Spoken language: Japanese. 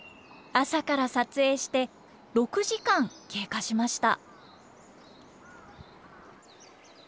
朝から撮影して６時間経過しました。